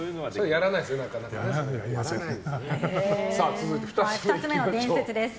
続いて２つ目の伝説です。